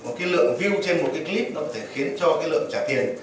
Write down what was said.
một cái lượng view trên một cái clip nó có thể khiến cho cái lượng trả tiền